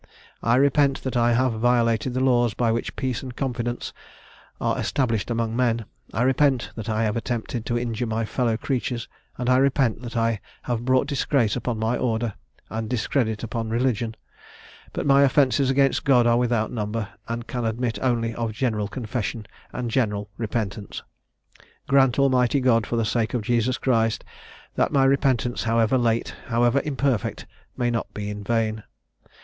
I repent that I have violated the laws by which peace and confidence are established among men; I repent that I have attempted to injure my fellow creatures; and I repent that I have brought disgrace upon my order, and discredit upon religion: but my offences against God are without number, and can admit only of general confession and general repentance. Grant, Almighty God, for the sake of Jesus Christ, that my repentance, however late, however imperfect, may not be in vain!